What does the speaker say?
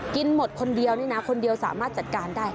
หมดคนเดียวนี่นะคนเดียวสามารถจัดการได้